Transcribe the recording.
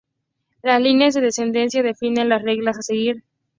Las líneas de descendencia definen las reglas a seguir.